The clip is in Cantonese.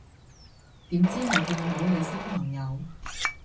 點知係見到你新朋友